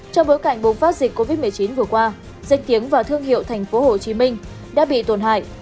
trong bối cảnh bùng phát dịch covid một mươi chín vừa qua danh tiếng và thương hiệu tp hcm đã bị tổn hại